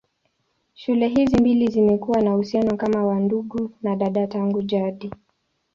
Shule hizi mbili zimekuwa na uhusiano kama wa ndugu na dada tangu jadi.